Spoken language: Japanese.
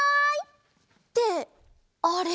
ってあれ？